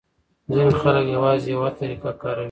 ځینې خلک یوازې یوه طریقه کاروي.